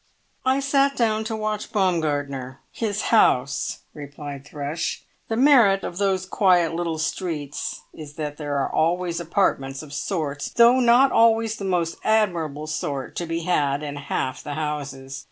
"I sat down to watch Baumgartner, his house," replied Thrush. "The merit of those quiet little streets is that there are always apartments of sorts, though not always the most admirable sort, to be had in half the houses.